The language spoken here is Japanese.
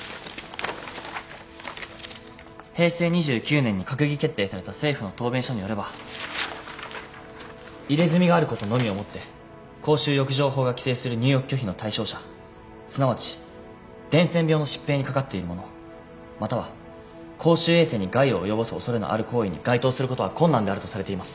平成２９年に閣議決定された政府の答弁書によれば入れ墨があることのみをもって公衆浴場法が規定する入浴拒否の対象者すなわち伝染病の疾病にかかっている者または公衆衛生に害を及ぼす恐れのある行為に該当することは困難であるとされています。